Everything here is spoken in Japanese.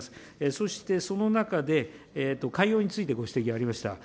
そしてその中で、海洋についてご指摘ありました。